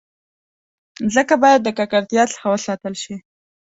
مځکه باید د ککړتیا څخه وساتل شي.